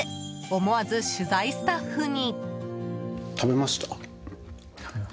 思わず取材スタッフに。